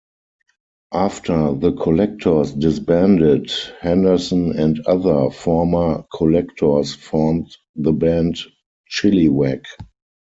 After The Collectors disbanded, Henderson and other former Collectors formed the band Chilliwack.